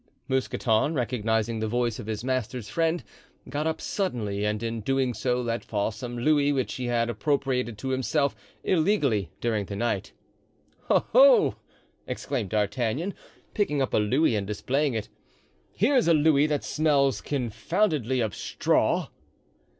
Mousqueton, recognizing the voice of his master's friend, got up suddenly, and in doing so let fall some louis which he had appropriated to himself illegally during the night. "Ho! ho!" exclaimed D'Artagnan, picking up a louis and displaying it; "here's a louis that smells confoundedly of straw."